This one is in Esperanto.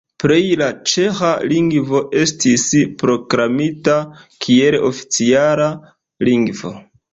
Pleje la ĉeĥa lingvo estis proklamita kiel oficiala lingvo.